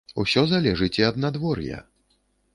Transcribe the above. Усё залежыць і ад надвор'я.